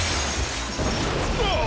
あっ！